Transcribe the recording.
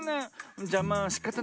じゃまあしかたないわ。